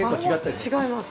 違います。